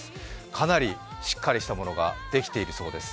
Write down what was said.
かなりしっかりしたものができているそうです